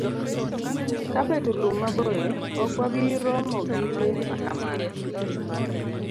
Ka beto lum maboyo, ok wabi romo gi le ma kamago.